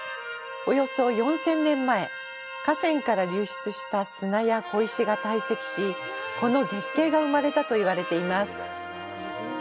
およそ４０００年前、河川から流出した砂や小石が堆積し、この絶景が生まれたと言われています。